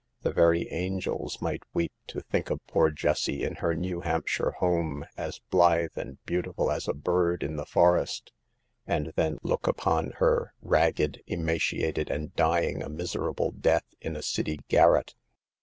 The very angels might weep to think of poor Jessie in her New Hampshire home, as blithe and beautiful as a bird in the forest, and then look upon her, ragged, emacia ted and dying a miserable death in a city gar ret.